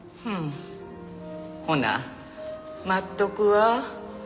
ほな待っとくわ。